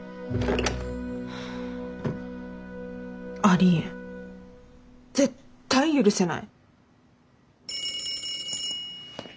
ありえん絶対許せない。